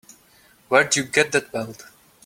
Where'd you get that belt?